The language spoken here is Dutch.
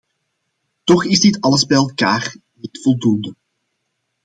Toch is dit alles bij elkaar niet voldoende.